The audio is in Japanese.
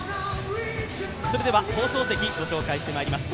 それでは放送席、ご紹介してまいります。